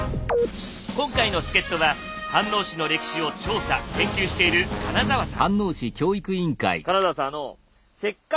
今回の助っ人は飯能市の歴史を調査・研究している金澤さん